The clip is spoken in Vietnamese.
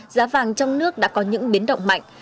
giá vàng trong nước đã có những biến động mạnh